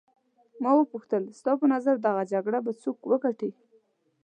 ما وپوښتل ستا په نظر دغه جګړه به څوک وګټي.